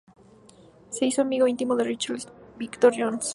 Se hizo amigo íntimo de Reginald Victor Jones.